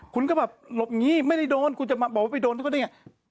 คุณก็แบบหลบหนีไม่ได้โดนคุณจะมาบอกว่าไปโดนเขาได้ไง